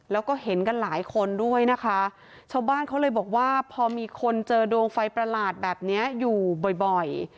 แล้วก็เห็นกันหลายคนด้วยนะคะชาวบ้านเขาเลยบอกว่าพอมีคนเจอดวงไฟประหลาดแบบเนี้ยอยู่บ่อยบ่อย